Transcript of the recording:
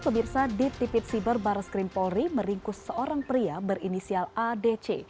pemirsa ditipit siber barreskrim polri meringkus seorang pria berinisial adc